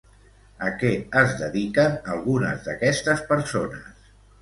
A què es dediquen algunes d'aquestes persones?